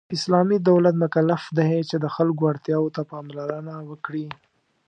اسلامی دولت مکلف دی چې د خلکو اړتیاوو ته پاملرنه وکړي .